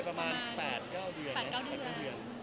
ประมาณ๘๙เดือน